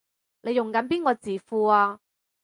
你用緊邊個字庫啊？